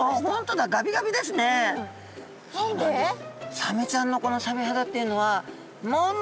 サメちゃんのこのサメ肌っていうのはもの